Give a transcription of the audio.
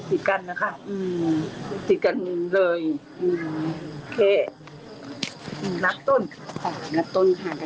ที่กันไหมค่ะ